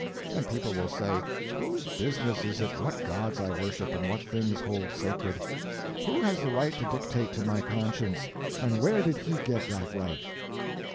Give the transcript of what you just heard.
And people will say, "Whose business is it what gods I worship and what things hold sacred? Who has the right to dictate to my conscience, and where did he get that right?"